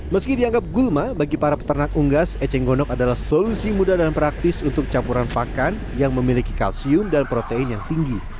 meski dianggap gulma bagi para peternak unggas eceng gondok adalah solusi mudah dan praktis untuk campuran pakan yang memiliki kalsium dan protein yang tinggi